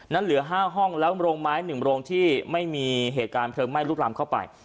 เหลือ๕ห้องแล้วโรงไม้๑โรงที่ไม่มีเหตุการณ์เพลิงไหม้ลุกล้ำเข้าไป